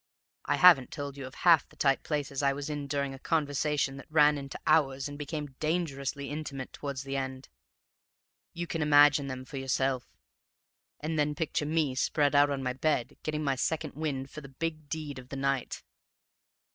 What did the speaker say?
I haven't told you of half the tight places I was in during a conversation that ran into hours and became dangerously intimate towards the end. You can imagine them for yourself, and then picture me spread out on my bed, getting my second wind for the big deed of the night.